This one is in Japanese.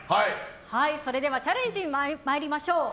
それではチャレンジ参りましょう。